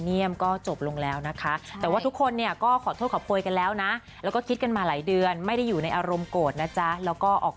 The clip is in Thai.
มีโอกาสที่จะกลับมากับพี่ออกมาได้ไหมครับ